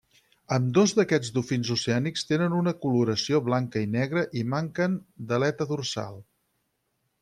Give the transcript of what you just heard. Ambdós d'aquests dofins oceànics tenen una coloració blanca i negra i manquen d'aleta dorsal.